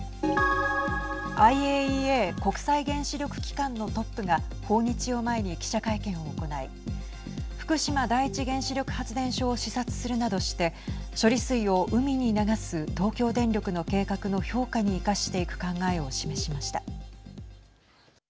ＩＡＥＡ国際原子力機関のトップが訪日を前に記者会見を行い福島第一原子力発電所を視察するなどして処理水を海に流す東京電力の計画の評価に生かしていく考えを示しました。